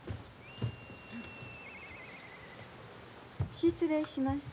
失礼します。